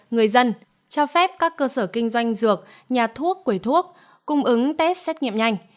người dân cho phép các cơ sở kinh doanh dược nhà thuốc quầy thuốc cung ứng test xét nghiệm nhanh